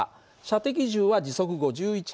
射的銃は時速５１ｋｍ。